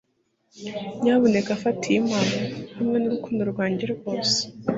nyamuneka fata iyi mpano, hamwe nurukundo rwanjye rwose